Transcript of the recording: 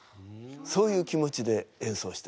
そういう気持ちで演奏してます。